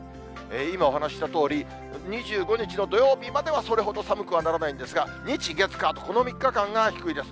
今お話ししたとおり、２５日の土曜日まではそれほど寒くはならないんですが、日、月、火と、この３日間が低いです。